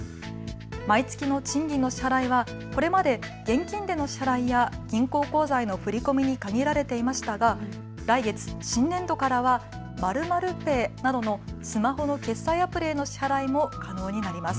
毎月の賃金の支払いはこれまで現金での支払いや銀行口座への振り込みに限られていましたが、来月、新年度からは○○ペイなどのスマホの決済アプリへの支払いも可能になります。